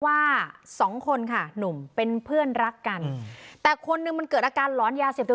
ว่าสองคนค่ะหนุ่มเป็นเพื่อนรักกันแต่คนหนึ่งมันเกิดอาการหลอนยาเสียบตัว